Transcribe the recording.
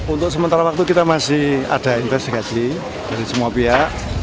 untuk sementara waktu kita masih ada investigasi dari semua pihak